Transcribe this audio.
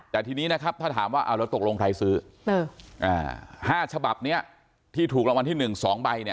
แต่ทีนี้นะครับถ้าถามว่าเอาแล้วตกลงใครซื้อเอออ่าห้าฉบับเนี้ยที่ถูกรางวัลที่หนึ่งสองใบเนี้ย